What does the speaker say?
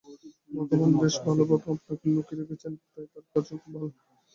ভগবান বেশ ভালভাবে আপনাকে লুকিয়ে রেখেছেন, তাই তাঁর কাজও খুব ভাল।